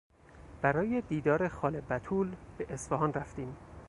برای دیدار خاله بتول به اصفهان رفتیم.